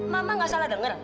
mama gak salah denger